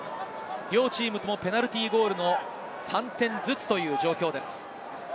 両チームともペナルティーゴールの３点ずつという状況です。